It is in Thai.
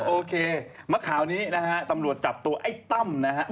โอเคมะเก้าในนี้นะฮะตำรวจจับตั๊มไอ่ต้ำจอมทั่วนะฮะ